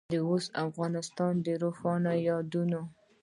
د اوسني افغانستان د ښارونو یادونه.